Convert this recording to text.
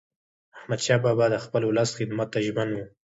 احمدشاه بابا د خپل ولس خدمت ته ژمن و.